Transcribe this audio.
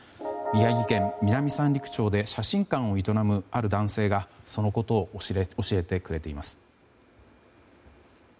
宮城県南三陸町で写真館を営むある男性がそのことを教えてくれています。